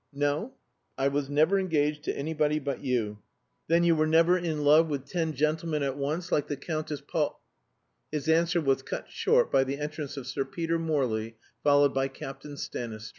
"No; I was never engaged to anybody but you." "Then you were never in love with ten gentlemen at once like the Countess Pol " His answer was cut short by the entrance of Sir Peter Morley, followed by Captain Stanistreet.